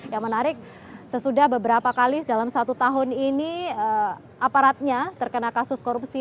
yang menarik sesudah beberapa kali dalam satu tahun ini aparatnya terkena kasus korupsi